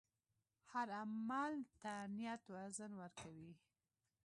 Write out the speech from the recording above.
هر عمل ته نیت وزن ورکوي.